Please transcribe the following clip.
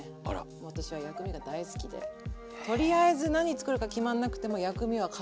もう私は薬味が大好きでとりあえず何作るか決まんなくても薬味は買っとこうっていう。